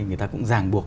người ta cũng ràng buộc